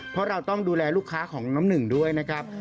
เพราะเราต้องดูแลลูกค้าของน้ำหนึ่งด้วยนะครับ